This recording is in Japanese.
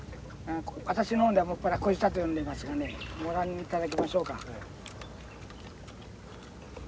私の方では専らこしたと呼んでますがねご覧いただきましょうか。